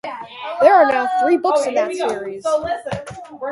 There are now three books in that series.